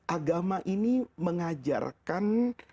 agama ini mengajarkan